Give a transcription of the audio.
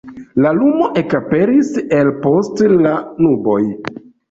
La luno ekaperis el post la nuboj.